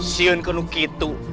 siun kenu gitu